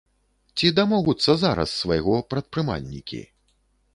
Ці дамогуцца зараз свайго прадпрымальнікі?